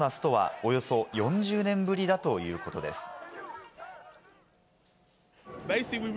大規模なストはおよそ４０年ぶりだということです。